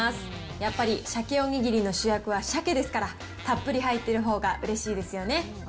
やっぱり、シャケお握りの主役はシャケですから、たっぷり入っているほうがうれしいですよね。